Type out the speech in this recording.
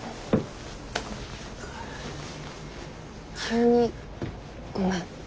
急にごめん。